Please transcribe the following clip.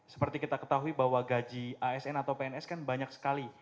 seperti kita ketahui bahwa gaji asn atau pns kan banyak sekali